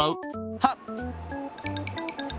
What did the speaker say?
はっ！